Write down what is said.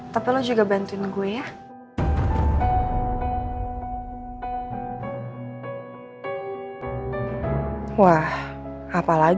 tapi lo juga bantuin gue ya